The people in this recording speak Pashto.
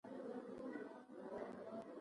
که په سل ژبو یې وایې تر قیامته پورې.